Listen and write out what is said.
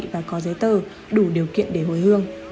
và có giấy tờ đủ điều kiện để hồi hương